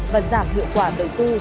và giảm hiệu quả đầu tư